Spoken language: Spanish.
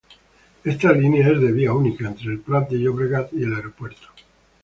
Esta línea es de vía única entre El Prat de Llobregat y Aeropuerto.